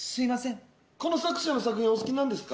この作者の作品お好きなんですか？